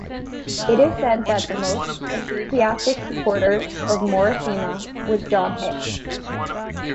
It is said that the most enthusiastic supporter of Morishima was John Hicks.